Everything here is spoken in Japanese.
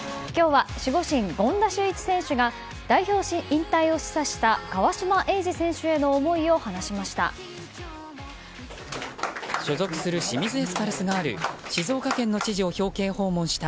今日は守護神・権田修一選手が代表引退を示唆した川島永嗣選手への思いを話しました。